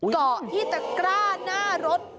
เกาะที่ตะกร้าหน้ารถ